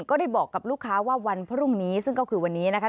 ก็ได้บอกกับลูกค้าว่าวันพรุ่งนี้ซึ่งก็คือวันนี้นะคะ